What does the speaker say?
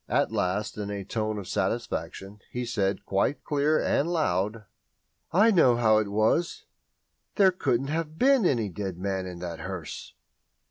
At last, in a tone of satisfaction, he said, quite clear and loud: "I know how it was _There couldn't have been any dead man in that hearse!